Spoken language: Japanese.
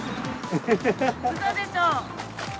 うそでしょ。